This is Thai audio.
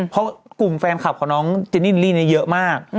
เพราะกลุ่มแฟนคลับของน้องเจนิลลี่เยอะมาก